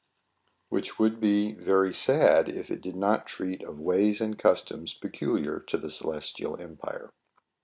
Which would be very sad if it did not treat of ways and customs peculiar to the ce lestial empire.